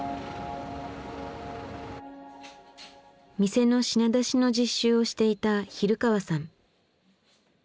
店の品出しの実習をしていた比留川さん。